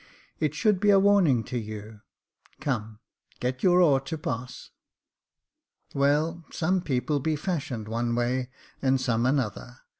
"It should be a warning to you. Come, get your oar to pass." " Well, some people be fashioned one way and some another.